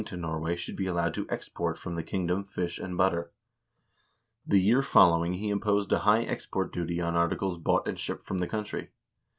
488 HISTORY OF THE NORWEGIAN PEOPLE Norway should be allowed to export from the kingdom fish and butter. The year following he imposed a high export duty on articles bought and shipped from the country.